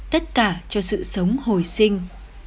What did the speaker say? tất cả cho sự sống hồi sinh